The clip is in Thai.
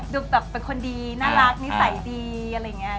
แบบเป็นคนดีน่ารักนิสัยดีอะไรอย่างนี้